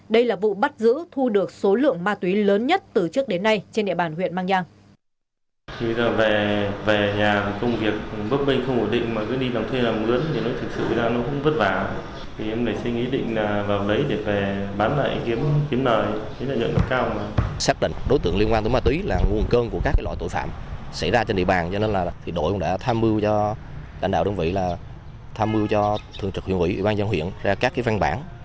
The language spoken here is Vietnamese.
đây là vụ bắt giữ thu được số lượng ma túy lớn nhất từ trước đến nay trên địa bàn huyện mang giang